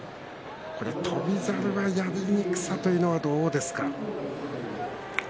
翔猿のやりにくさというのはどうですか？